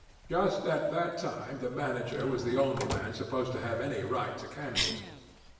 Just at that time the manager was the only man supposed to have any right to candles.